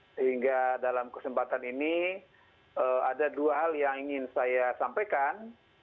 sehingga dalam kesempatan ini ada dua hal yang ingin saya sampaikan